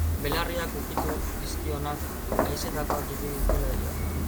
Belarriak ukitu dizkionak, haizetakoak irudi dutela dio.